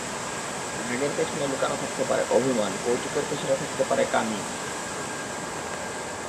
রাগের পেছনে লুকানো থাকতে পারে অভিমান, কৌতুকের পেছনে থাকতে পারে কান্না।